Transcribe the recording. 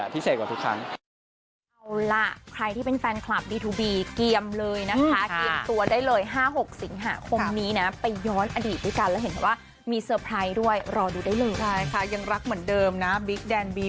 พิเศษกว่าทุกครั้ง